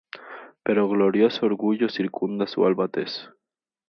pero glorioso orgullo circunda su alba tez.